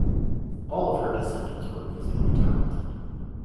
All of her descendants were musically talented.